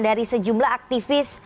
dari sejumlah aktivis